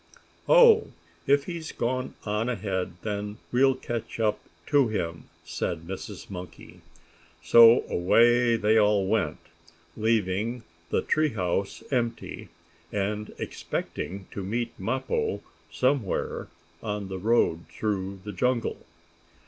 "Oh, if he's gone on ahead, then we'll catch up to him," said Mrs. Monkey. So away they all went, leaving the tree house empty, and expecting to meet Mappo somewhere on the road through the jungle.